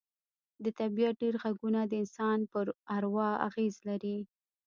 د طبیعت ډېر غږونه د انسان پر اروا اغېز لري